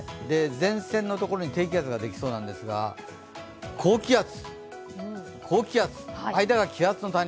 前線のところに低気圧ができそうなんですが高気圧、高気圧、間が気圧の谷。